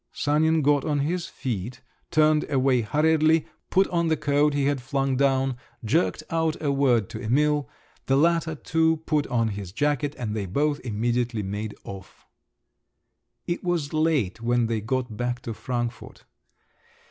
… Sanin got on his feet, turned away hurriedly, put on the coat he had flung down, jerked out a word to Emil; the latter, too, put on his jacket, and they both immediately made off. It was late when they got back to Frankfort.